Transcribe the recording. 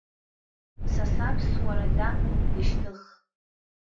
Са саԥсуара дамоуп дышьҭых.